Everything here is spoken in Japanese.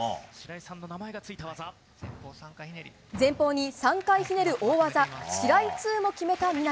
前方に３回ひねる大技シライ２も決めた南。